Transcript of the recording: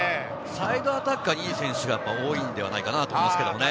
サイドアタッカーに、いい選手が多いのではないかなと思います。